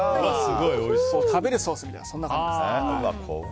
食べるソースみたいな感じです。